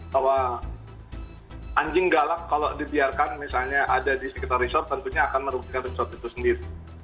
bahwa anjing galak kalau dibiarkan misalnya ada di sekitar resort tentunya akan merugikan resort itu sendiri